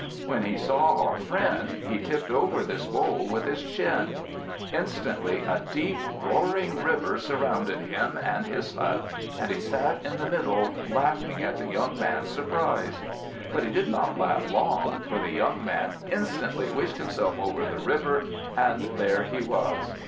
When he saw our friend, he tipped over this bowl with his chin; instantly a deep roaring river surrounded him and his hut, and he sat in the middle, laughing at the young man's surprise. But he did not laugh long, for the young man instantly wished himself over the river, and there he was.